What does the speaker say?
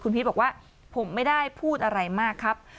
พีชบอกว่าผมไม่ได้พูดอะไรมากครับ